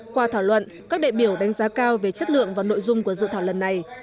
qua thảo luận các đại biểu đánh giá cao về chất lượng và nội dung của dự thảo lần này